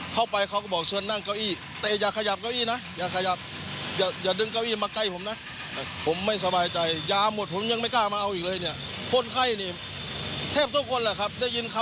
เข้าไปเขาก็บอกซึนนั่งเก้าอี้